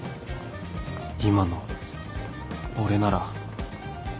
今の俺なら